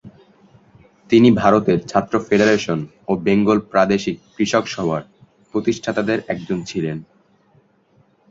তিনি ভারতের ছাত্র ফেডারেশন ও বেঙ্গল প্রাদেশিক কৃষক সভার প্রতিষ্ঠাতাদের একজন ছিলেন।